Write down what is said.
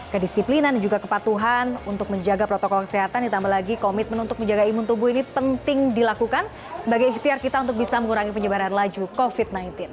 kedisiplinan dan juga kepatuhan untuk menjaga protokol kesehatan ditambah lagi komitmen untuk menjaga imun tubuh ini penting dilakukan sebagai ikhtiar kita untuk bisa mengurangi penyebaran laju covid sembilan belas